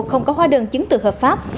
không có hóa đơn chứng từ hợp pháp